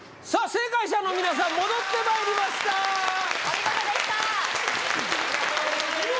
正解者の皆さん戻ってまいりましたお見事でしたありがとうございます！